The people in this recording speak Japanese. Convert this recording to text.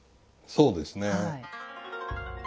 そうですね。